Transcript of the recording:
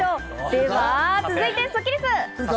では続いてはスッキりす。